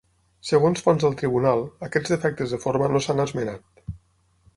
Segons fonts del tribunal, aquests defectes de forma no s’han esmenat.